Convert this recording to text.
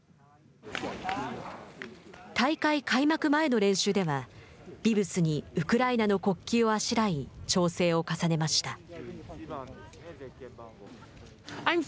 大会開幕前の練習ではビブスにウクライナの国旗をあしらい調整を重ねました。